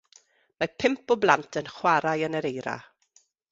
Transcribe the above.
Mae pump o blant yn chwarae yn yr eira.